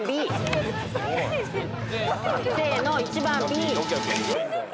せーの１番Ｂ。